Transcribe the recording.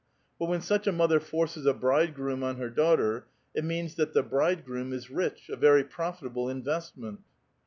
But when such a mother forces a bridegroom on her daughter, it means that the bridegroom is rich, a very profitable investment."